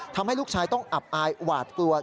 ทำให้ลูกชายต้องอับอายหวาดกลัว